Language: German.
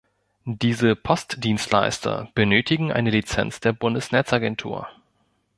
Diese Postdienstleister benötigen eine Lizenz der Bundesnetzagentur.